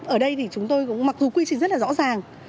ở đây thì chúng tôi cũng mặc dù quy trình rất là rõ ràng